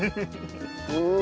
うん。